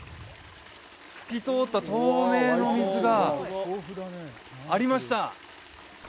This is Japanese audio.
透き通った透明の水がありました